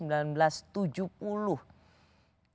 yang diterbitkan tahun seribu sembilan ratus tujuh puluh